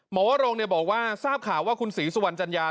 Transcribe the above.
วรงค์บอกว่าทราบข่าวว่าคุณศรีสุวรรณจัญญา